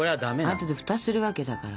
あとで蓋するわけだから。